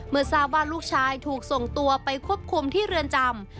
เมื่อทราบว่าลูกชายถูกส่งตัวไปควบคุมที่เรือนจำ